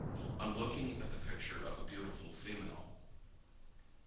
ON LOOKING AT THE PICTURE OF A BEAUTIFUL FEMALE.